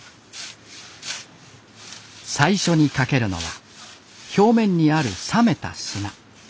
最初にかけるのは表面にある冷めた砂。